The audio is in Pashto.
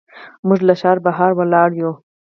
موږ له ښار بهر ولاړ یو.